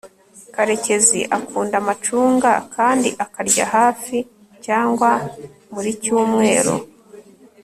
karekezi akunda amacunga kandi akarya hafi cyangwa muricyumweru